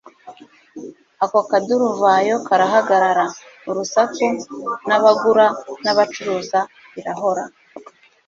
Ako kaduruyayo karahagarara. Urusaku rw'abagura n'abacuruza birahora.